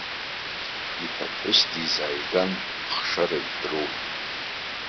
Иԥа ԥҳәыс дизааиган, ахшарагьы дроуит.